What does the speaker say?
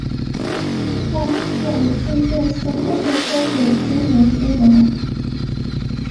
纳希尔圣剑似乎被交给精灵君王。